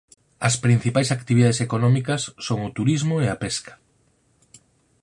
As principais actividades económicas son o turismo e a pesca.